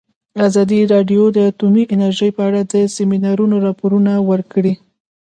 ازادي راډیو د اټومي انرژي په اړه د سیمینارونو راپورونه ورکړي.